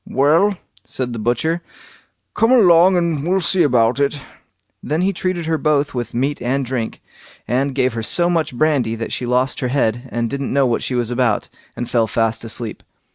"Well", said the butcher, "come along and we'll see about it." Then he treated her both with meat and drink, and gave her so much brandy that she lost her head, and didn't know what she was about, and fell fast asleep.